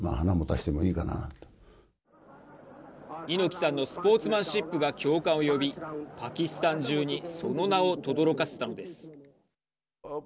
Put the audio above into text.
猪木さんのスポーツマンシップが共感を呼びパキスタン中にその名をとどろかせたのです。